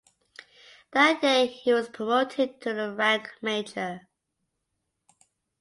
That year he was promoted to the rank major.